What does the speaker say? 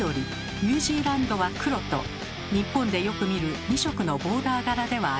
ニュージーランドは黒と日本でよく見る２色のボーダー柄ではありません。